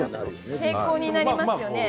平行になりますよね。